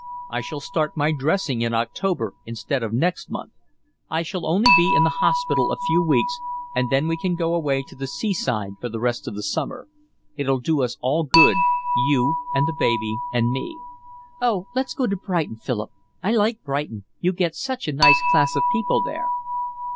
I shall start my dressing in October instead of next month. I shall only be in hospital a few weeks and then we can go away to the seaside for the rest of the summer. It'll do us all good, you and the baby and me." "Oh, let's go to Brighton, Philip, I like Brighton, you get such a nice class of people there."